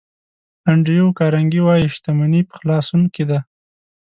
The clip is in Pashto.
انډریو کارنګي وایي شتمني په خلاصون کې ده.